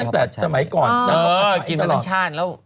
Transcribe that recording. แต่ก็กินบอกว่า